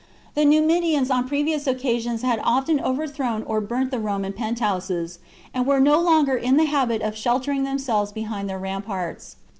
The Numidians on previous occasions had often overthrown or burnt the Roman penthouses, and were no longer in the habit of shelter ing themselves behind their ramparts.